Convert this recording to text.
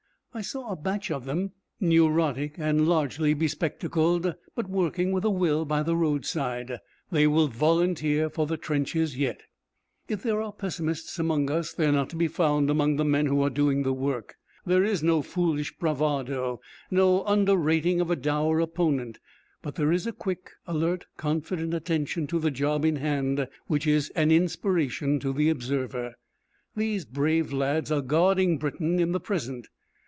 I saw a batch of them, neurotic and largely be spectacled, but working with a will by the roadside. They will volunteer for the trenches yet. If there are pessimists among us they are not to be found among the men who are doing the work. There is no foolish bravado, no under rating of a dour opponent, but there is a quick, alert, confident attention to the job in hand which is an inspiration to the observer. These brave lads are guarding Britain in the present.